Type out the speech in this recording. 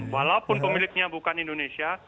walaupun pemiliknya bukan indonesia